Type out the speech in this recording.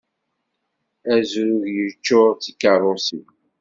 Azrug yeččur d tikeṛṛusin.